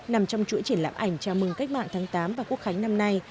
nằm trong chuỗi triển lãm ảnh chào mừng cách mạng tháng tám và quốc khánh năm nay